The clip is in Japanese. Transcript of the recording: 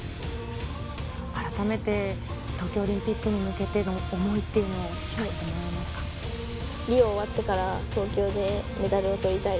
改めて東京オリンピックに向けての思いっていうのを聞かせてもらリオ終わってから、東京でメダルをとりたい。